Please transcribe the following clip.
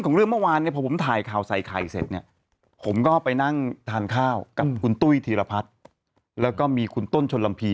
ก็นั่งอยู่แต่ว่าเวลาหางนะที่ร้านอะไรอย่างเงี้ย